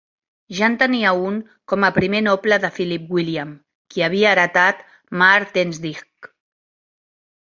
Ja en tenia un com a Primer Noble de Philip William, qui havia heretat Maartensdijk.